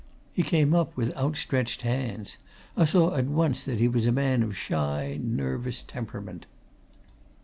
He came up with outstretched hands; I saw at once that he was a man of shy, nervous temperament.